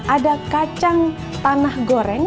ada kacang tanah goreng